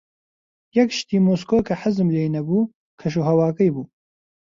یەک شتی مۆسکۆ کە حەزم لێی نەبوو، کەشوهەواکەی بوو.